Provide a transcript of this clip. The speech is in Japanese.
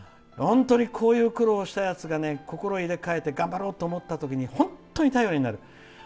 こういう苦労をしたやつが心を入れ替えて頑張ろうと思ったときに本当に頼りになる。